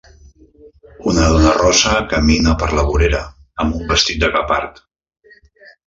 una dona rossa camina per la vorera amb un vestit de guepard.